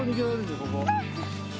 ここ。